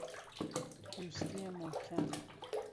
دوستی محکم